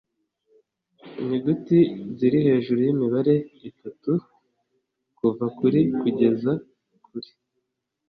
Inyuguti ziri hejuru y imibare itatu kuva kuri kugeza kuri